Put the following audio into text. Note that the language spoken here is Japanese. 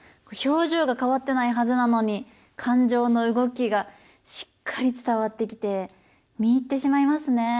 表情が変わってないはずなのに感情の動きがしっかり伝わってきて見入ってしまいますね。